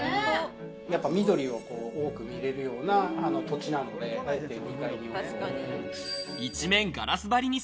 やっぱり緑を多く見れるような土地なので、あえて２階にお風呂を。